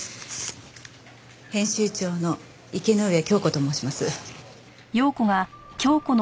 編集長の池ノ上京子と申します。